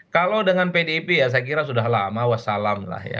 kalau dengan pdip ya saya kira sudah lama wassalam lah ya